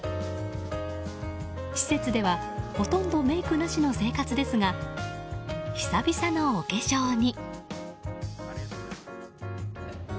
施設ではほとんどメイクなしの生活ですが久々のお化粧に。